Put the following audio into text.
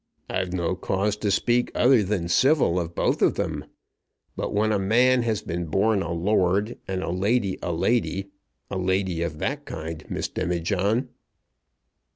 I've no cause to speak other than civil of both of them. But when a man has been born a lord, and a lady a lady . A lady of that kind, Miss Demijohn."